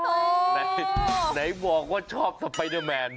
เอ้าไหนบอกว่าชอบสแตดเมน